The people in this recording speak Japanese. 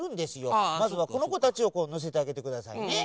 まずはこのこたちをのせてあげてくださいね。